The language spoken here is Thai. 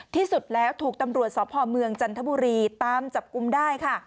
ที่สุดแล้วถูกตำรวจสพเมืองจันทบุรีตามจับกลุ่มได้ค่ะ